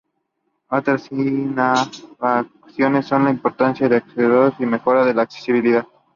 Otras innovaciones son la incorporación de ascensores y la mejora de la accesibilidad.